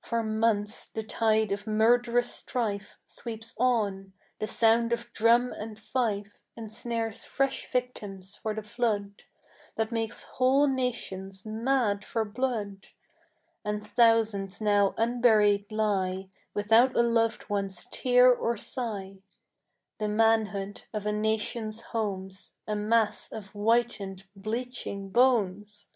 For months the tide of murd'rous strife Sweeps on; the sound of drum and fife Ensnares fresh victims for the flood That makes whole nations mad for blood; And thousands now unburied lie Without a loved one's tear or sigh, The manhood of a nation's homes A mass of whitened, bleaching bones!